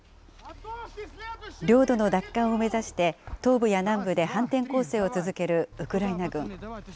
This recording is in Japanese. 領土の奪還を目指して、東部や南部で反転攻勢を続けるウクライナ軍。